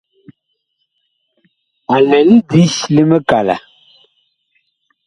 A lɛ lidi li mikala.